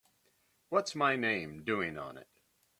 What's my name doing on it?